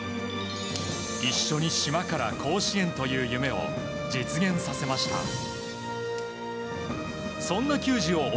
一緒に島から甲子園という夢を実現させました。